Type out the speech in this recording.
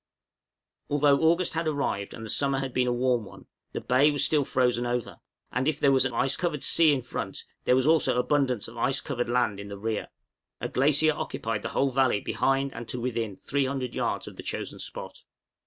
{AN ARCTIC VILLAGE.} Although August had arrived, and the summer had been a warm one, the bay was still frozen over; and if there was an ice covered sea in front, there was also abundance of ice covered land in the rear a glacier occupied the whole valley behind and to within 300 yards of the chosen spot!